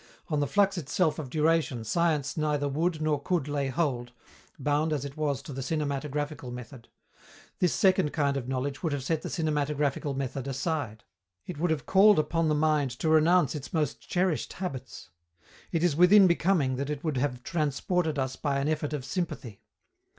On the flux itself of duration science neither would nor could lay hold, bound as it was to the cinematographical method. This second kind of knowledge would have set the cinematographical method aside. It would have called upon the mind to renounce its most cherished habits. It is within becoming that it would have transported us by an effort of sympathy.